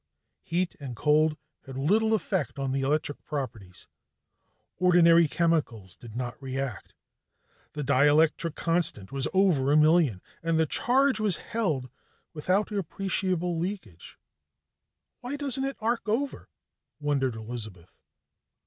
Heat and cold had little effect, even on the electric properties. Ordinary chemicals did not react. The dielectric constant was over a million, and the charge was held without appreciable leakage. "Why doesn't it arc over?" wondered Elizabeth.